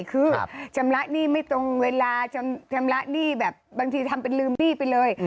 คือชำระหนี้ไม่ตรงเวลาชำระหนี้แบบบางทีทำเป็นลืมหนี้ไปเลย